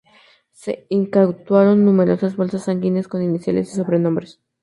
Se incautaron numerosas bolsas sanguíneas con iniciales o sobrenombres.